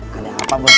kau ada apa bos